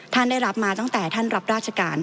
ท่านได้รับมาตั้งแต่ท่านรับราชการ